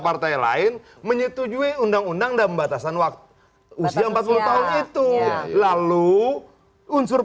partai lain menyetujui undang undang dan membatasan waktu usia empat puluh tahun itu lalu unsur